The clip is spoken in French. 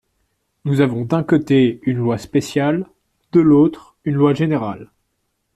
Nous avons d’un côté une loi spéciale, de l’autre une loi générale.